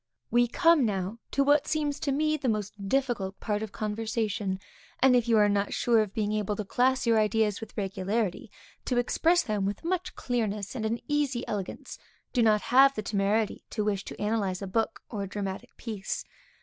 We come now to what seems to me the most difficult part of conversation, and if you are not sure of being able to class your ideas with regularity, to express them with much clearness, and an easy elegance, do not have the temerity to wish to analyze a book, or a dramatic piece.